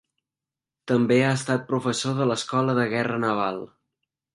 També ha estat professor de l'Escola de Guerra Naval.